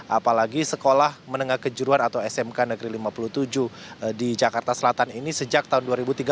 apalagi sekolah menengah kejuruan atau smk negeri lima puluh tujuh di jakarta selatan ini sejak tahun dua ribu tiga belas